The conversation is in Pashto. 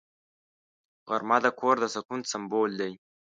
غرمه د کور د سکون سمبول دی